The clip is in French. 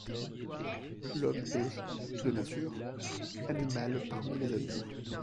L'homme est « de nature », animal parmi les animaux.